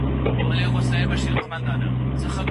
بڼوال په اوږه باندي ګڼ توکي ونه راوړل.